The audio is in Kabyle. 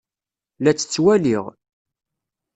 La tt-ttwaliɣ.